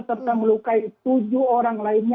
serta melukai tujuh orang lainnya